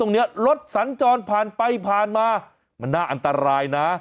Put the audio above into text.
แล้วรถศรันจรผ่านไปผ่านมามันน่าอันตรายนะ